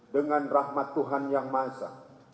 dengan rahmat tuhan yang maha esa